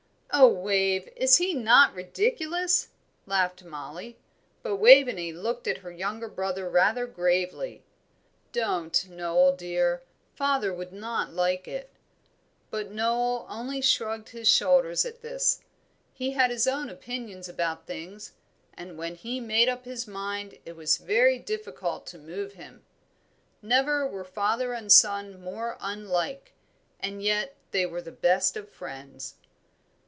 '" "Oh, Wave, is he not ridiculous?" laughed Mollie; but Waveney looked at her young brother rather gravely. "Don't, Noel, dear; father would not like it." But Noel only shrugged his shoulders at this. He had his own opinions about things, and when he made up his mind it was very difficult to move him. Never were father and son more unlike; and yet they were the best of friends.